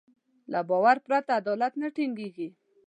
له باور پرته عدالت نه ټينګېږي.